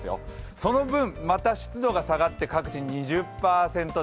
その分、また湿度が下がって各地２０％台。